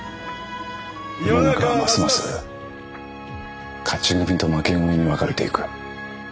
世の中はますます勝ち組と負け組に分かれていく。